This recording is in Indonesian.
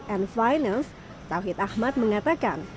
and finance tauhid ahmad mengatakan